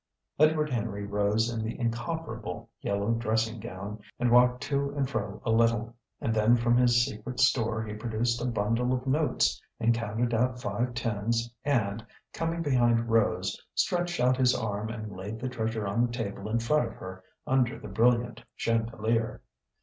Edward Henry rose in the incomparable yellow dressing gown and walked to and fro a little, and then from his secret store he produced a bundle of notes, and counted out five tens and, coming behind Rose, stretched out his arm and laid the treasure on the table in front of her under the brilliant chandelier.